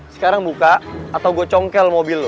sekarang buka atau gue congkel mobil